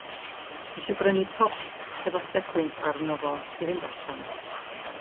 Nes i brynu top hefo sequins arno fo i fynd allan.